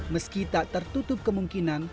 meski tak tertutup kemungkinan